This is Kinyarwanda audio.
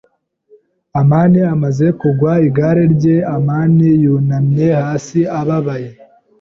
amani amaze kugwa ku igare rye, amani yunamye hasi ababaye.